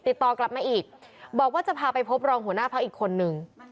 ติดต่อกลับมาอีกบอกว่าจะพาไปพบรองหัวหน้าพักอีกคนนึง